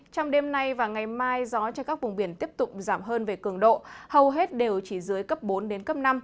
trong đêm nay và ngày mai gió trên các vùng biển tiếp tục giảm hơn về cường độ hầu hết đều chỉ dưới cấp bốn đến cấp năm